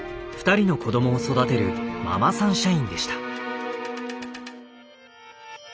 ２人の子供を育てるママさん社員でした。